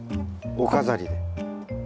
お飾りで。